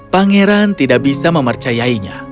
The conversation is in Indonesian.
pangeran tidak bisa mempercayainya